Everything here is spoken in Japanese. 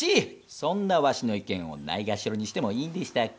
そんなワシの意見をないがしろにしてもいいんでしたっけ？